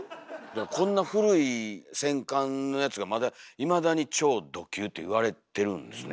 こんな古い戦艦のやつがまだいまだに「超ド級」って言われてるんですね。